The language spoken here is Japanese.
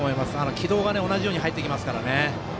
軌道が同じように入ってきますから。